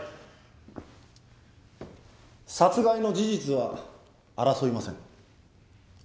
殺害の事実は争いません。